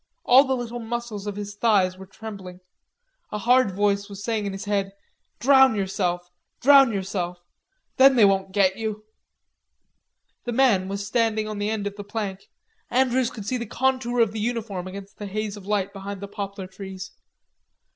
All the little muscles of his thighs were trembling. A hard voice was saying in his head: "Drown yourself, drown yourself. Then they won't get you." The man was standing on the end of the plank. Andrews could see the contour of the uniform against the haze of light behind the poplar trees.